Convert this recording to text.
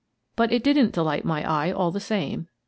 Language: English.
But it didn't delight my eye, all the same.